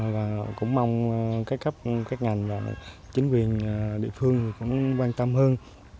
và cũng mong các ngành và chính quyền địa phương cũng quan tâm hơn